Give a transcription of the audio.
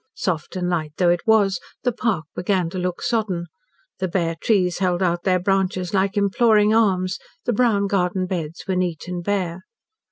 Soft and light though it was, the park began to look sodden. The bare trees held out their branches like imploring arms, the brown garden beds were neat and bare.